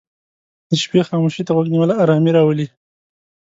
د شپې خاموشي ته غوږ نیول آرامي راولي.